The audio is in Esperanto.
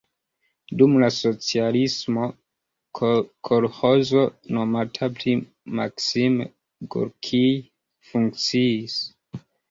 Dum la socialismo kolĥozo nomata pri Maksim Gorkij funkciis.